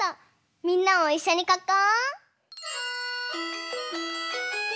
みんなもいっしょにかこう！